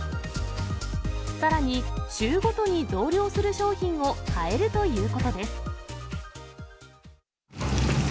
さらに、週ごとに増量する商品を変えるということです。